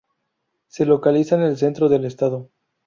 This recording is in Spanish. Se localiza en el centro del Estado.